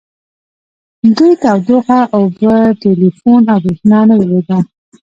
دوی تودوخه اوبه ټیلیفون او بریښنا نه درلوده